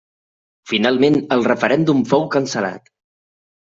Finalment el referèndum fou cancel·lat.